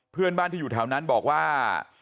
เพื่อนบ้านที่อยู่แถวนั้นบอกว่า